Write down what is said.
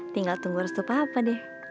tinggal tunggu restu papa deh